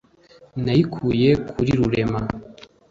Nayikuye kuri Rurema,